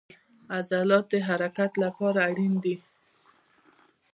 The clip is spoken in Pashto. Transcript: عضلات د حرکت لپاره اړین دي